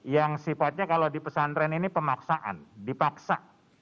yang sifatnya kalau di pesantren ini pemaksaan dipaksa